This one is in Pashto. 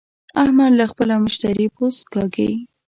احمد له خپله مشتري پوست کاږي.